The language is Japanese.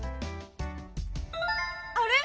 あれ？